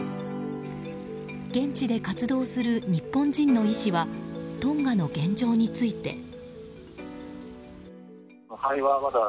現地で活動をする日本人の医師はトンガの現状について。